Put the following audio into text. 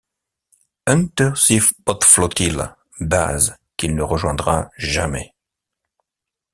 Unterseebootsflottille, base qu'il ne rejoindra jamais.